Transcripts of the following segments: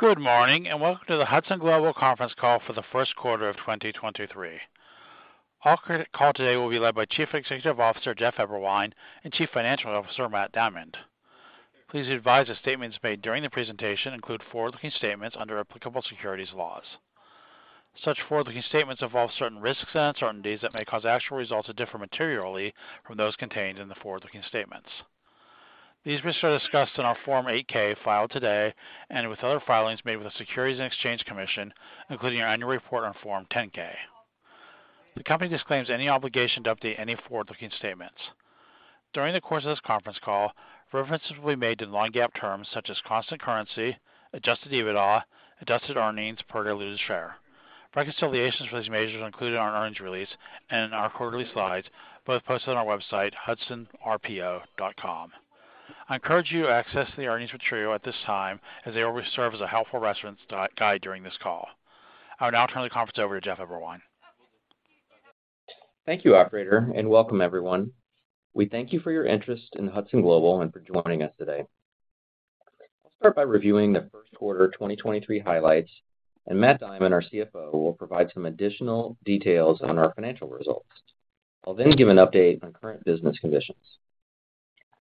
Good morning, welcome to the Hudson Global conference call for the first quarter of 2023. Our call today will be led by Chief Executive Officer, Jeff Eberwein, and Chief Financial Officer, Matt Diamond. Please be advised that statements made during the presentation include forward-looking statements under applicable securities laws. Such forward-looking statements involve certain risks and uncertainties that may cause actual results to differ materially from those contained in the forward-looking statements. These risks are discussed in our Form 8-K filed today and with other filings made with the Securities and Exchange Commission, including our annual report on Form 10-K. The company disclaims any obligation to update any forward-looking statements. During the course of this conference call, references will be made to non-GAAP terms such as constant currency, adjusted EBITDA, adjusted earnings per diluted share. Reconciliations for these measures are included in our earnings release and in our quarterly slides, both posted on our website, hudsonrpo.com. I encourage you to access the earnings material at this time as they will serve as a helpful reference guide during this call. I will now turn the conference over to Jeff Eberwein. Thank you, operator, and welcome everyone. We thank you for your interest in Hudson Global and for joining us today. I'll start by reviewing the first quarter of 2023 highlights, and Matt Diamond, our CFO, will provide some additional details on our financial results. I'll then give an update on current business conditions.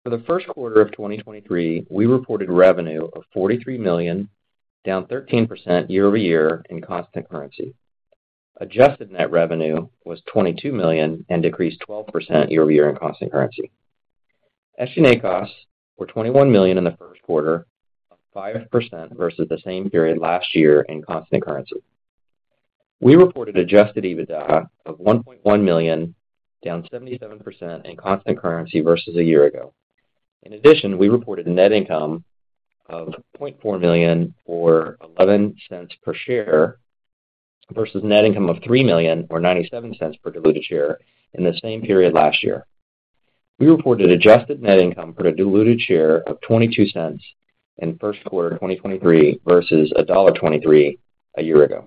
For the first quarter of 2023, we reported revenue of 43 million, down 13% year-over-year in constant currency. adjusted net revenue was 22 million and decreased 12% year-over-year in constant currency. SG&A costs were 21 million in the first quarter, up 5% versus the same period last year in constant currency. We reported adjusted EBITDA of 1.1 million, down 77% in constant currency versus a year ago. We reported net income of 0.4 million or 0.11 per share versus net income of 3 million or0.97 per diluted share in the same period last year. We reported adjusted net income per diluted share of $0.22 in first quarter of 2023 versus $1.23 a year ago.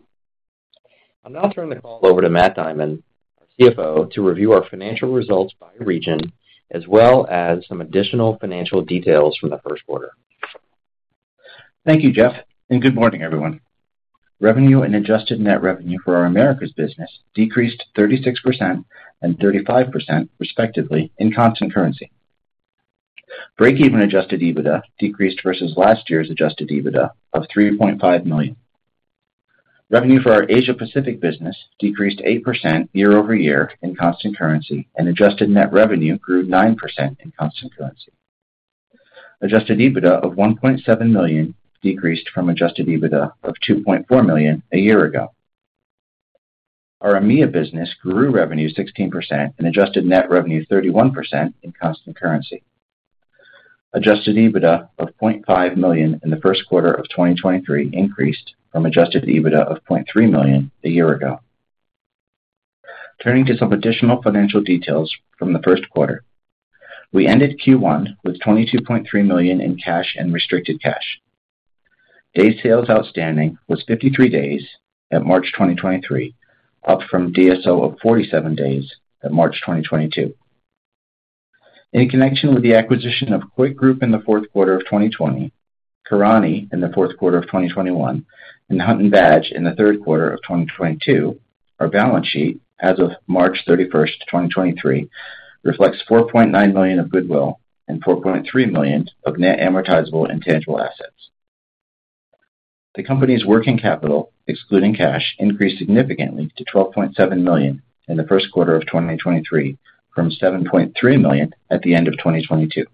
I'll now turn the call over to Matt Diamond, our CFO, to review our financial results by region, as well as some additional financial details from the first quarter. Thank you, Jeff, and good morning, everyone. Revenue and adjusted net revenue for our Americas business decreased 36% and 35% respectively in constant currency. Breakeven adjusted EBITDA decreased versus last year's adjusted EBITDA of 3.5 million. Revenue for our Asia Pacific business decreased 8% year-over-year in constant currency, and adjusted net revenue grew 9% in constant currency. Adjusted EBITDA of 1.7 million decreased from adjusted EBITDA of 2.4 million a year ago. Our EMEA business grew revenue 16% and adjusted net revenue 31% in constant currency. Adjusted EBITDA of 0.5 million in the first quarter of 2023 increased from adjusted EBITDA of $0.3 million a year ago. Turning to some additional financial details from the first quarter. We ended Q1 with 22.3 million in cash and restricted cash. Days sales outstanding was 53 days at March 2023, up from DSO of 47 days at March 2022. In connection with the acquisition of Coit Group in the fourth quarter of 2020, Karani in the fourth quarter of 2021, and Hunt & Badge in the third quarter of 2022, our balance sheet as of March 31st, 2023, reflects 4.9 million of goodwill and 4.3 million of net amortizable and tangible assets. The company's working capital, excluding cash, increased significantly to 12.7 million in the first quarter of 2023 from 7.3 million at the end of 2022.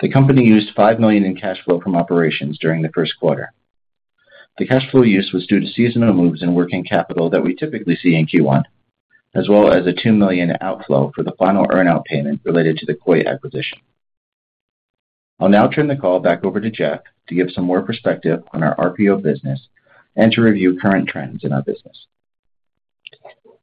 The company used 5 million in cash flow from operations during the first quarter. The cash flow use was due to seasonal moves in working capital that we typically see in Q1, as well as a 2 million outflow for the final earnout payment related to the Coit acquisition. I'll now turn the call back over to Jeff to give some more perspective on our RPO business and to review current trends in our business.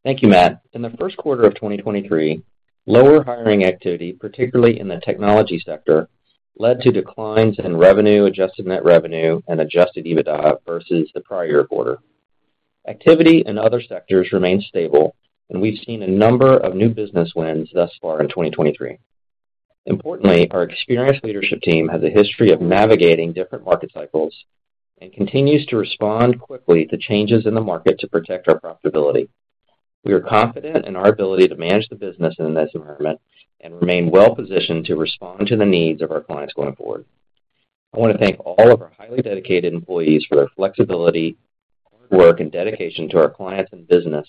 Thank you, Matt. In the 1st quarter of 2023, lower hiring activity, particularly in the technology sector, led to declines in revenue, adjusted net revenue, and adjusted EBITDA versus the prior-year quarter. Activity in other sectors remained stable, and we've seen a number of new business wins thus far in 2023. Importantly, our experienced leadership team has a history of navigating different market cycles and continues to respond quickly to changes in the market to protect our profitability. We are confident in our ability to manage the business in this environment and remain well-positioned to respond to the needs of our clients going forward. I want to thank all of our highly dedicated employees for their flexibility, hard work, and dedication to our clients and business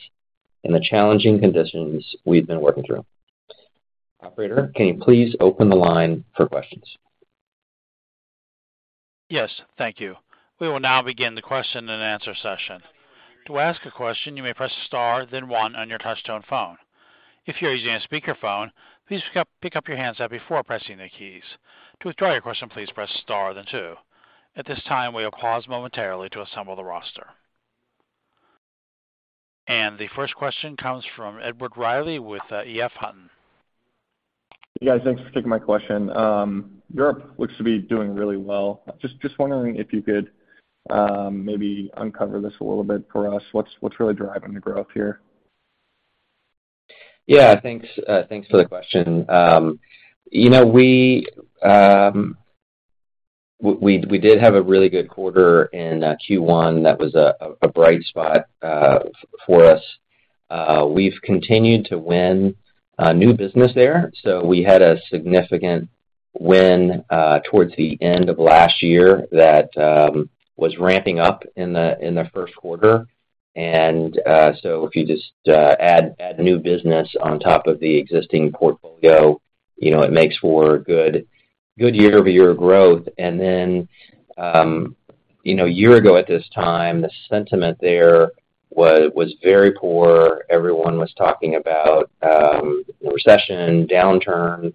in the challenging conditions we've been working through. Operator, can you please open the line for questions? Yes. Thank you. We will now begin the question and answer session. To ask a question, you may press star then one on your touch-tone phone. If you're using a speakerphone, please pick up your handset before pressing the keys. To withdraw your question, please press star then two. At this time, we will pause momentarily to assemble the roster. The first question comes from Edward Reilly with EF Hutton. Hey, guys. Thanks for taking my question. Europe looks to be doing really well. Just wondering if you could, maybe uncover this a little bit for us. What's really driving the growth here? Yeah. Thanks, thanks for the question. You know, we did have a really good quarter in Q1 that was a bright spot for us. We've continued to win new business there. We had a significant win towards the end of last year that was ramping up in the, in the first quarter. If you just, add new business on top of the existing portfolio, you know, it makes for good year-over-year growth. You know, a year ago at this time, the sentiment there was very poor. Everyone was talking about recession, downturn.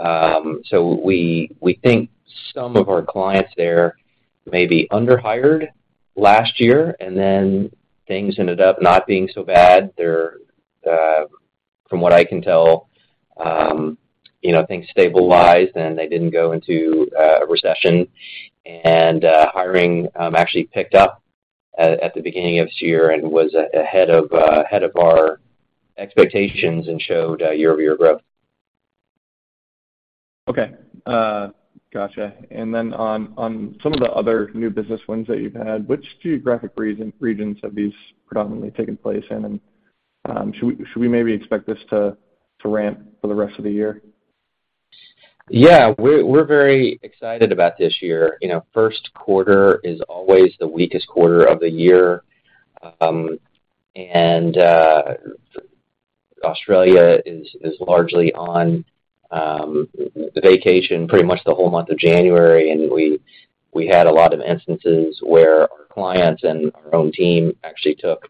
We think some of our clients there may be under-hired last year, and then things ended up not being so bad. They're, from what I can tell, you know, things stabilized, and they didn't go into a recession. Hiring actually picked up at the beginning of this year and was ahead of our expectations and showed year-over-year growth. Okay. Gotcha. On some of the other new business wins that you've had, which geographic regions have these predominantly taken place in? Should we maybe expect this to ramp for the rest of the year? Yeah. We're very excited about this year. You know, first quarter is always the weakest quarter of the year. Australia is largely on vacation pretty much the whole month of January, and we had a lot of instances where our clients and our own team actually took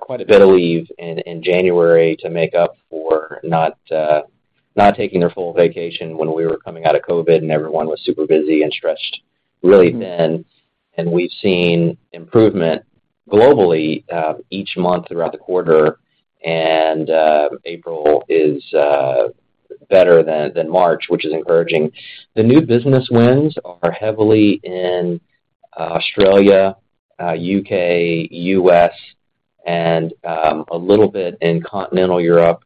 quite a bit of leave in January to make up for not taking their full vacation when we were coming out of COVID and everyone was super busy and stretched really thin. We've seen improvement globally each month throughout the quarter. April is better than March, which is encouraging. The new business wins are heavily in Australia, U.K., U.S., and a little bit in continental Europe,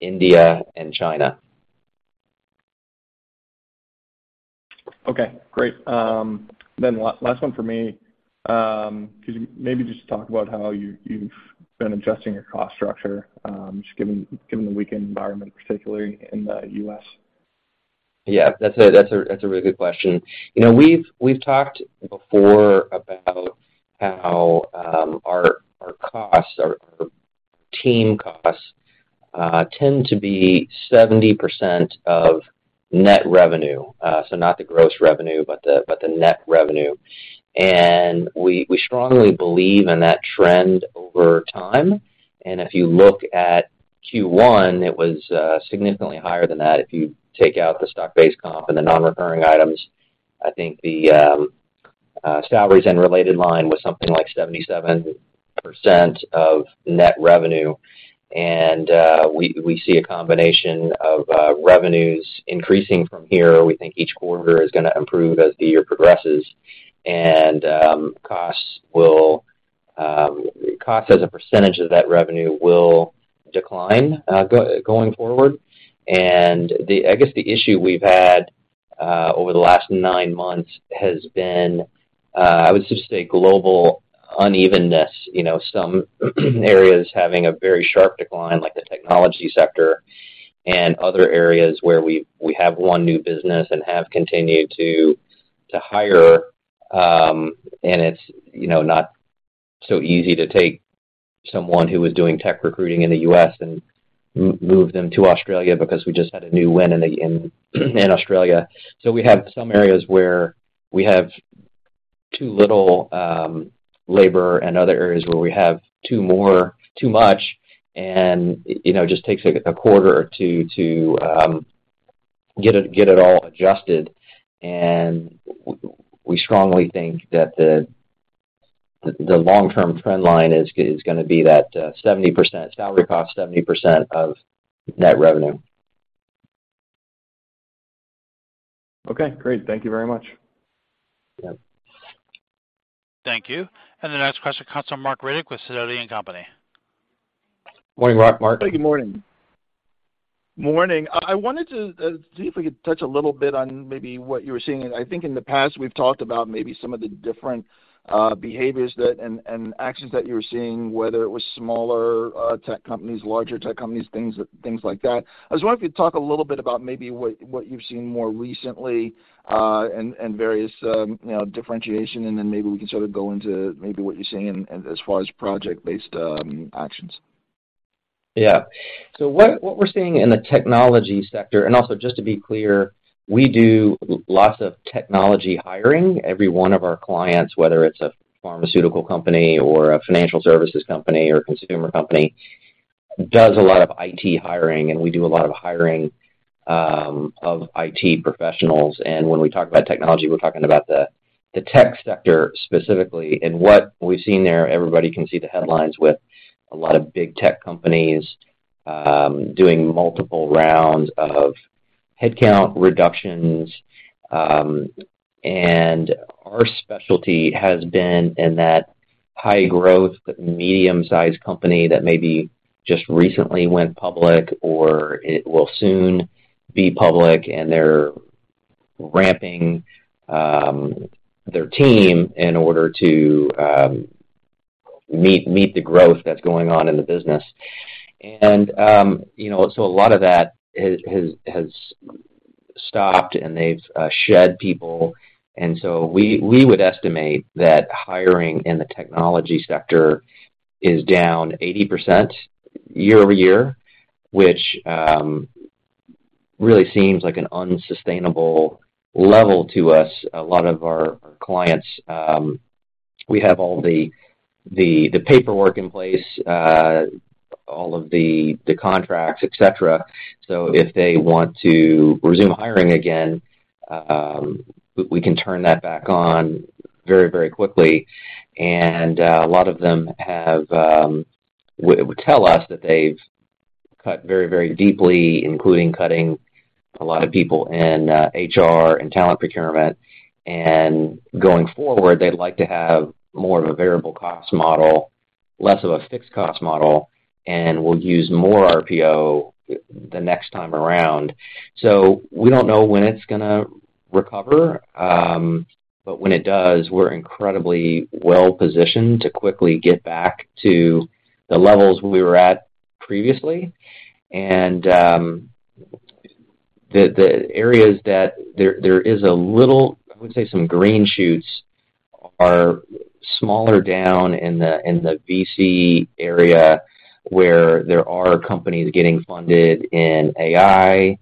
India, and China. Okay. Great. Last one for me. Could you maybe just talk about how you've been adjusting your cost structure, just given the weakened environment, particularly in the U.S.? Yeah. That's a really good question. You know, we've talked before about how our costs, our team costs tend to be 70% of net revenue. So not the gross revenue, but the net revenue. We strongly believe in that trend over time. If you look at Q1, it was significantly higher than that if you take out the stock-based comp and the non-recurring items. I think the salaries and related line was something like 77% of net revenue. We see a combination of revenues increasing from here. We think each quarter is gonna improve as the year progresses. Costs as a percentage of that revenue will decline going forward. The... I guess the issue we've had over the last 9 months has been, I would just say global unevenness. You know, some areas having a very sharp decline, like the technology sector, and other areas where we have won new business and have continued to hire, and it's, you know, not so easy to take someone who was doing tech recruiting in the U.S. and move them to Australia because we just had a new win in Australia. So we have some areas where we have too little labor and other areas where we have too much, and, you know, just takes a quarter or two to get it all adjusted. we strongly think that the long-term trend line is gonna be that, 70% salary cost, 70% of net revenue. Okay. Great. Thank you very much. Yeah. Thank you. The next question comes from Marc Riddick with Sidoti & Company. Morning, Marc. Marc, good morning. Morning. I wanted to see if we could touch a little bit on maybe what you were seeing. I think in the past, we've talked about maybe some of the different behaviors that and actions that you were seeing, whether it was smaller tech companies, larger tech companies, things like that. I was wondering if you could talk a little bit about maybe what you've seen more recently, and various, you know, differentiation, and then maybe we can sort of go into maybe what you're seeing as far as project-based actions. What we're seeing in the technology sector. Also just to be clear, we do lots of technology hiring. Every one of our clients, whether it's a pharmaceutical company or a financial services company or a consumer company, does a lot of IT hiring, and we do a lot of hiring of IT professionals. When we talk about technology, we're talking about the tech sector specifically. What we've seen there, everybody can see the headlines with a lot of big tech companies doing multiple rounds of headcount reductions, our specialty has been in that high growth, medium-sized company that maybe just recently went public or it will soon be public, and they're ramping their team in order to meet the growth that's going on in the business. You know, a lot of that has stopped, and they've shed people. We would estimate that hiring in the technology sector is down 80% year-over-year, which really seems like an unsustainable level to us. A lot of our clients, we have all the paperwork in place, all of the contracts, et cetera. If they want to resume hiring again, we can turn that back on very quickly. A lot of them have would tell us that they've cut very deeply, including cutting a lot of people in HR and talent procurement. Going forward, they'd like to have more of a variable cost model, less of a fixed cost model, and will use more RPO the next time around. We don't know when it's gonna recover, but when it does, we're incredibly well-positioned to quickly get back to the levels we were at previously. The areas that there is a little, I would say some green shoots are smaller down in the VC area where there are companies getting funded in AI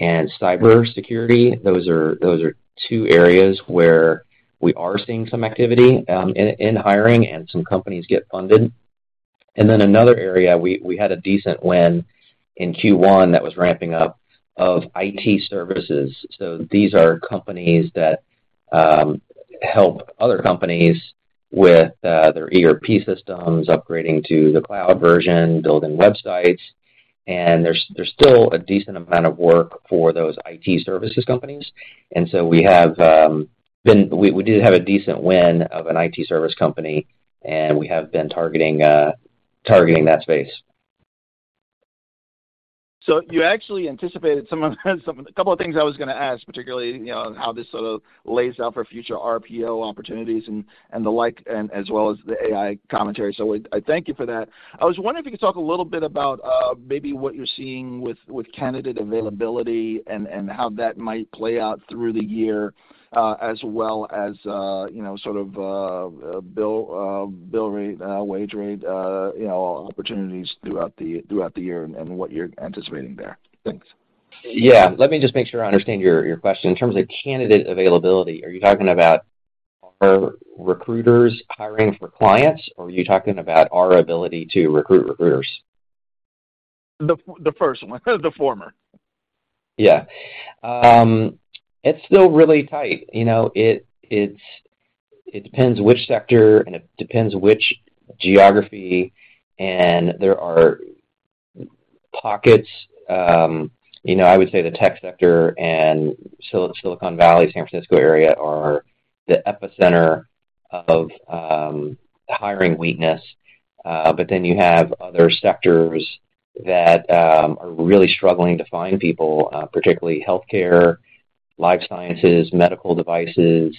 and cybersecurity. Those are two areas where we are seeing some activity in hiring and some companies get funded. Another area we had a decent win in Q1 that was ramping up of IT services. These are companies that help other companies with their ERP systems, upgrading to the cloud version, building websites, and there's still a decent amount of work for those IT services companies. We did have a decent win of an IT service company, and we have been targeting that space. You actually anticipated some of the... a couple of things I was gonna ask, particularly, you know, how this sort of lays out for future RPO opportunities and the like, and as well as the AI commentary. I thank you for that. I was wondering if you could talk a little bit about, maybe what you're seeing with candidate availability and how that might play out through the year, as well as, you know, sort of, bill rate, wage rate, you know, opportunities throughout the year and what you're anticipating there. Thanks. Yeah. Let me just make sure I understand your question. In terms of candidate availability, are you talking about our recruiters hiring for clients, or are you talking about our ability to recruit recruiters? The first one, the former. Yeah. It's still really tight. You know, it depends which sector, it depends which geography, there are pockets, you know, I would say the tech sector and Silicon Valley, San Francisco area are the epicenter of hiring weakness. You have other sectors that are really struggling to find people, particularly healthcare, life sciences, medical devices.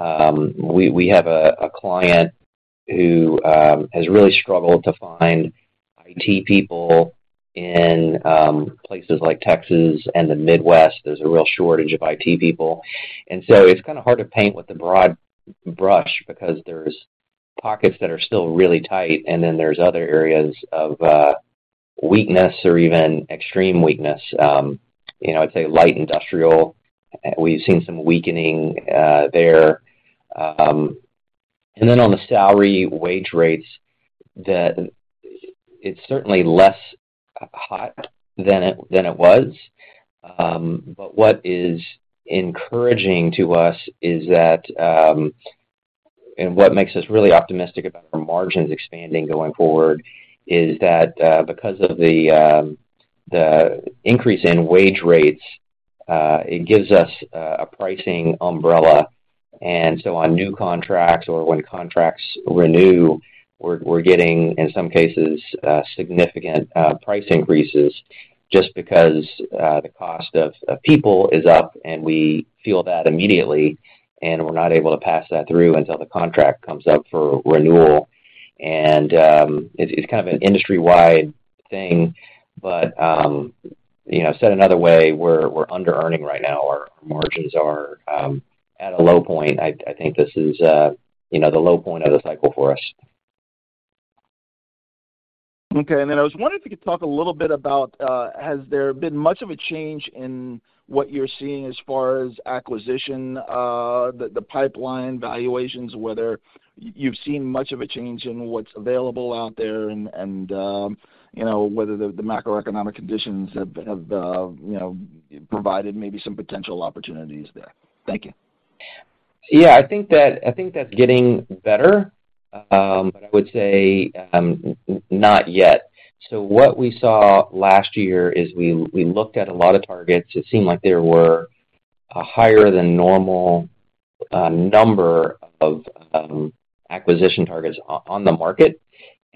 We have a client who has really struggled to find IT people in places like Texas and the Midwest. There's a real shortage of IT people. It's kinda hard to paint with a broad brush because there's pockets that are still really tight, there's other areas of weakness or even extreme weakness. You know, I'd say light industrial, we've seen some weakening there. Then on the salary wage rates, it's certainly less hot than it, than it was. What is encouraging to us is that, and what makes us really optimistic about our margins expanding going forward is that, because of the increase in wage rates, it gives us a pricing umbrella. So on new contracts or when contracts renew, we're getting, in some cases, significant price increases just because the cost of people is up, and we feel that immediately, and we're not able to pass that through until the contract comes up for renewal. It's, it's kind of an industry-wide thing. You know, said another way, we're under-earning right now. Our margins are at a low point. I think this is, you know, the low point of the cycle for us. Okay. I was wondering if you could talk a little bit about, has there been much of a change in what you're seeing as far as acquisition, the pipeline valuations, whether you've seen much of a change in what's available out there, you know, whether the macroeconomic conditions have, you know, provided maybe some potential opportunities there? Thank you. Yeah, I think that's getting better. I would say, not yet. What we saw last year is we looked at a lot of targets. It seemed like there were a higher than normal number of acquisition targets on the market.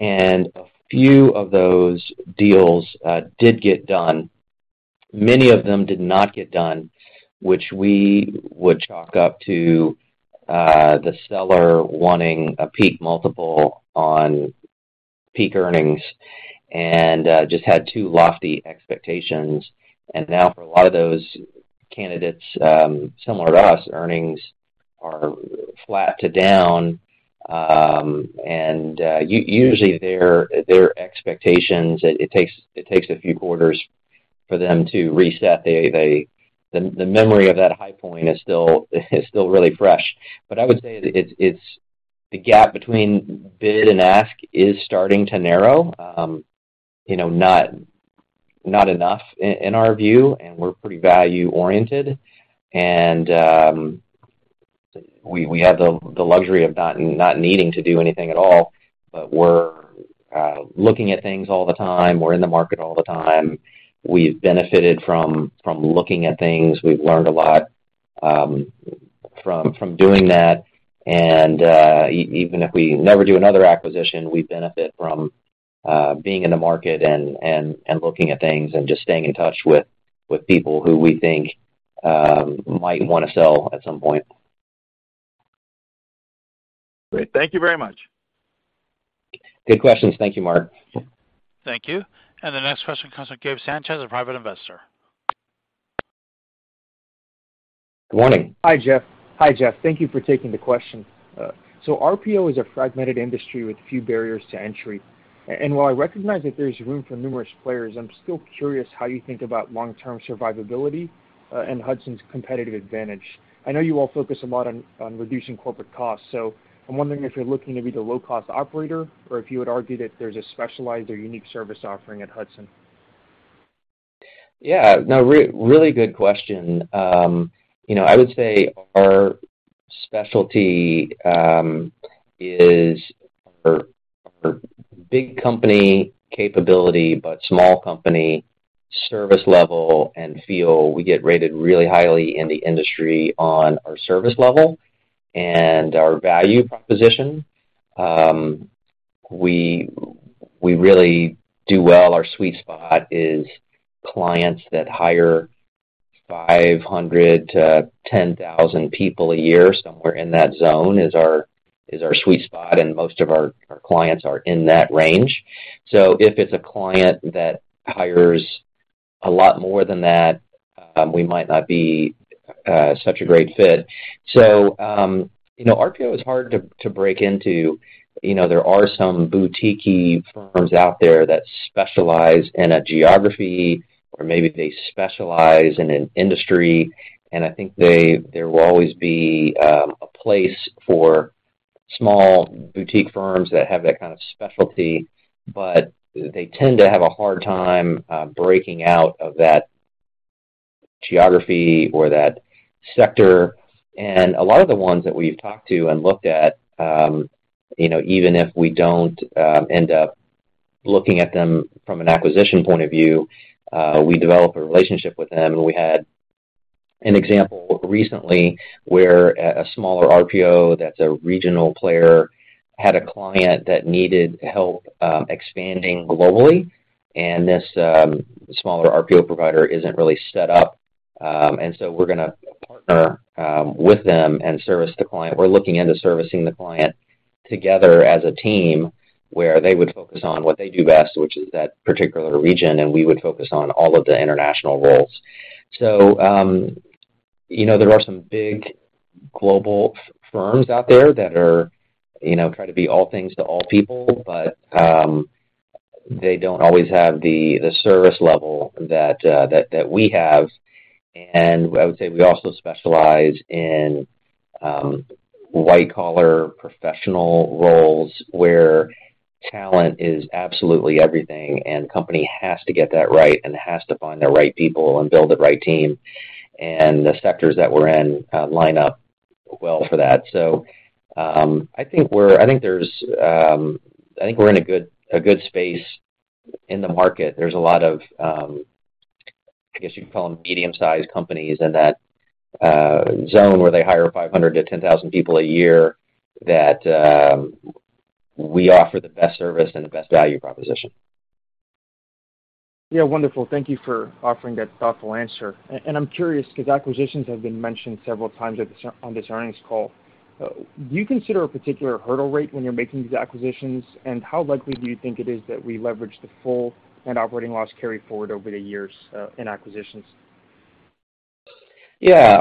A few of those deals did get done. Many of them did not get done, which we would chalk up to the seller wanting a peak multiple on peak earnings and just had two lofty expectations. Now for a lot of those candidates, similar to us, earnings are flat to down. And usually their expectations, it takes a few quarters for them to reset. The memory of that high point is still really fresh. I would say it's... the gap between bid and ask is starting to narrow. You know, not enough in our view, and we're pretty value-oriented. We have the luxury of not needing to do anything at all. We're looking at things all the time, we're in the market all the time. We've benefited from looking at things. We've learned a lot from doing that. Even if we never do another acquisition, we benefit from being in the market and looking at things and just staying in touch with people who we think might wanna sell at some point. Great. Thank you very much. Good questions. Thank you, Marc. Thank you. The next question comes from Gabe Sanchez, a private investor. Morning. Hi, Jeff. Thank you for taking the question. RPO is a fragmented industry with few barriers to entry. While I recognize that there's room for numerous players, I'm still curious how you think about long-term survivability and Hudson's competitive advantage. I know you all focus a lot on reducing corporate costs. I'm wondering if you're looking to be the low-cost operator or if you would argue that there's a specialized or unique service offering at Hudson. Yeah. No. Really good question. You know, I would say our specialty is our big company capability, but small company service level and feel. We get rated really highly in the industry on our service level and our value proposition. We really do well. Our sweet spot is clients that hire 500 to 10,000 people a year. Somewhere in that zone is our sweet spot, and most of our clients are in that range. If it's a client that hires a lot more than that, we might not be such a great fit. You know, RPO is hard to break into. You know, there are some boutique-y firms out there that specialize in a geography or maybe they specialize in an industry. I think there will always be a place for small boutique firms that have that kind of specialty, but they tend to have a hard time breaking out of that geography or that sector. A lot of the ones that we've talked to and looked at, you know, even if we don't end up looking at them from an acquisition point of view, we develop a relationship with them. We had an example recently where a smaller RPO that's a regional player had a client that needed help expanding globally. This smaller RPO provider isn't really set up. We're gonna partner with them and service the client. We're looking into servicing the client together as a team, where they would focus on what they do best, which is that particular region, and we would focus on all of the international roles. You know, there are some big global firms out there that are, you know, try to be all things to all people. They don't always have the service level that we have. I would say we also specialize in white-collar professional roles where talent is absolutely everything, and company has to get that right and has to find the right people and build the right team. The sectors that we're in line up well for that. I think there's, I think we're in a good space in the market. There's a lot of, I guess you'd call them medium-sized companies in that zone where they hire 500-10,000 people a year that we offer the best service and the best value proposition. Yeah, wonderful. Thank you for offering that thoughtful answer. I'm curious because acquisitions have been mentioned several times on this earnings call. Do you consider a particular hurdle rate when you're making these acquisitions? How likely do you think it is that we leverage the full net operating loss carryforward over the years in acquisitions? Yeah.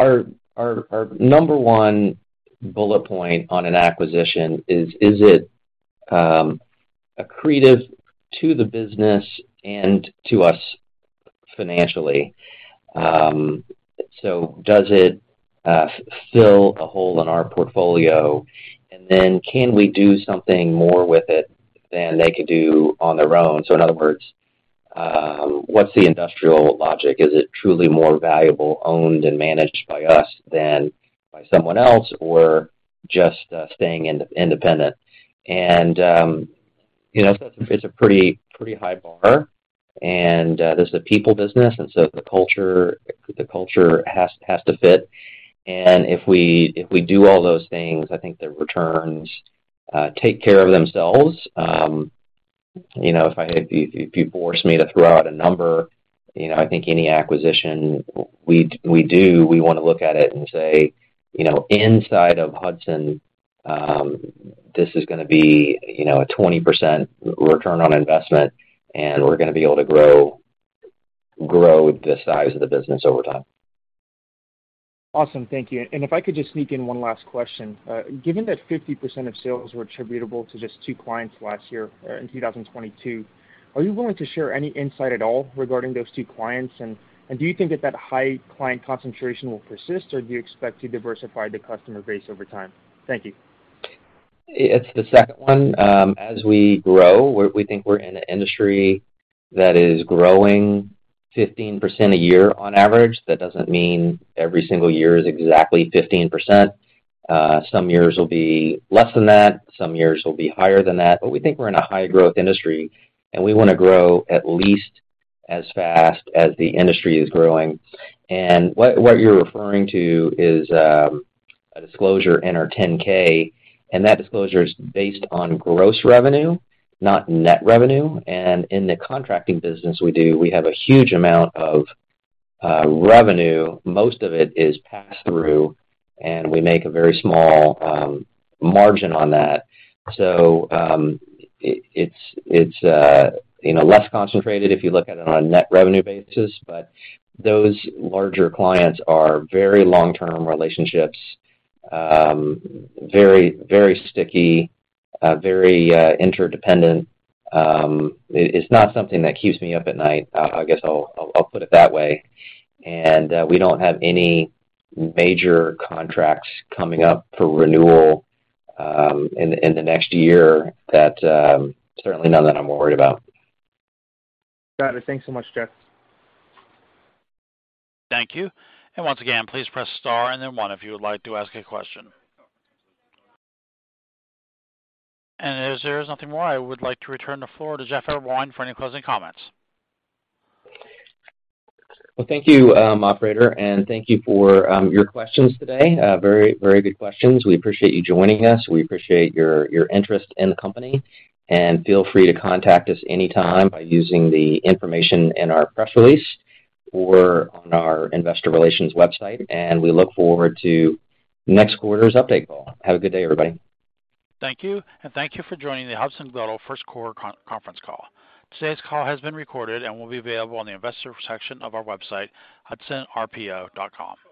Our number one bullet point on an acquisition is it accretive to the business and to us financially? So does it fill a hole in our portfolio? Can we do something more with it than they could do on their own? In other words, what's the industrial logic? Is it truly more valuable, owned, and managed by us than by someone else or just staying in independent? You know, it's a pretty high bar, and this is a people business, and so the culture has to fit. If we do all those things, I think the returns take care of themselves. You know, if I... If you force me to throw out a number, you know, I think any acquisition we do, we wanna look at it and say, you know, inside of Hudson, this is gonna be, you know, a 20% return on investment, and we're gonna be able to grow the size of the business over time. Awesome. Thank you. If I could just sneak in one last question. Given that 50% of sales were attributable to just 2 clients last year or in 2022, are you willing to share any insight at all regarding those two clients? Do you think that that high client concentration will persist, or do you expect to diversify the customer base over time? Thank you. It's the second one. As we grow, we think we're in an industry that is growing 15% a year on average. That doesn't mean every single year is exactly 15%. Some years will be less than that, some years will be higher than that. We think we're in a high growth industry, and we wanna grow at least as fast as the industry is growing. What you're referring to is a disclosure in our 10-K, and that disclosure is based on gross revenue, not net revenue. In the contracting business we do, we have a huge amount of revenue. Most of it is passthrough, and we make a very small margin on that. It's, you know, less concentrated if you look at it on a net revenue basis. Those larger clients are very long-term relationships, very, very sticky, very, interdependent. It's not something that keeps me up at night. I guess I'll put it that way. We don't have any major contracts coming up for renewal in the next year that certainly none that I'm worried about. Got it. Thanks so much, Jeff. Thank you. Once again, please press Star and then 1 if you would like to ask a question. If there is nothing more, I would like to return the floor to Jeff Eberwein for any closing comments. Well, thank you, operator, and thank you for your questions today. Very, very good questions. We appreciate you joining us. We appreciate your interest in the company, and feel free to contact us anytime by using the information in our press release or on our investor relations website, and we look forward to next quarter's update call. Have a good day, everybody. Thank you, and thank you for joining the Hudson Global First Quarter Conference Call. Today's call has been recorded and will be available on the investor section of our website, hudsonrpo.com.